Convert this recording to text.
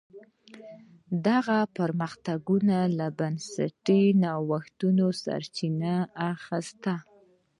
دغه پرمختګونو له بنسټي نوښتونو سرچینه اخیسته.